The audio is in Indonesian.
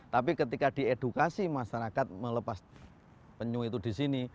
tapi ketika diedukasi masyarakat melepas penyu itu di sini